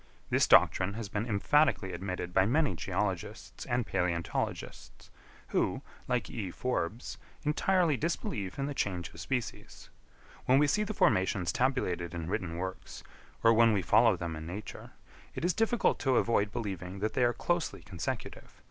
This doctrine has been emphatically admitted by many geologists and palæontologists, who, like E. Forbes, entirely disbelieve in the change of species. When we see the formations tabulated in written works, or when we follow them in nature, it is difficult to avoid believing that they are closely consecutive.